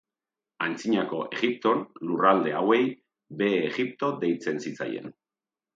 Antzinako Egipton, lurralde hauei Behe Egipto deitzen zitzaien.